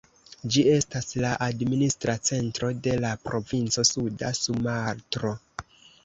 Ĝi estas la administra centro de la provinco Suda Sumatro.